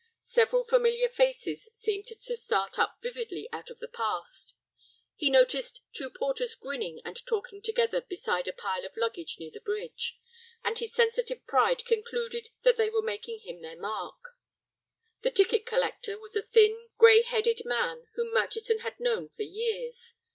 Several familiar faces seemed to start up vividly out of the past. He noticed two porters grinning and talking together beside a pile of luggage near the bridge, and his sensitive pride concluded that they were making him their mark. The ticket collector was a thin, gray headed man whom Murchison had known for years.